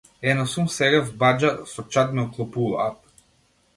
Ене сум сега в баџа со чад ме оклопуваат.